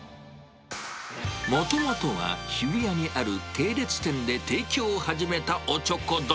もともとは日比谷にある系列店で提供を始めたおちょこ丼。